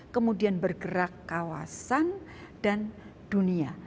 kemudian bergerak kawasan dan dunia